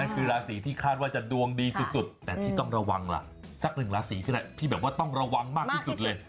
ก็คือราศีที่คาดว่าจะดวงดีสุดแต่ที่ต้องระวังล่ะสักหนึ่งราศีที่แบบว่าต้องระวังมากที่สุดเลย